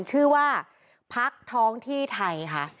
ชื่อว่าพักท้องที่ไทยค่ะ